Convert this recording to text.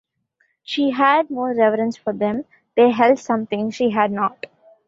She had more reverence for them: they held something she had not.